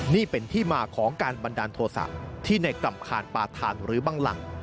นี่เป็นที่มาของการบรรดายโทษัตริย์ที่ในกรำคารป่าธานระหละบังรัง